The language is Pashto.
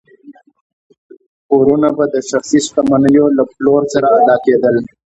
پورونه به د شخصي شتمنیو له پلور سره ادا کېدل.